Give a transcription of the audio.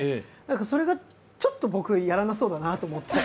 それがちょっと僕、やらなそうだなと思って。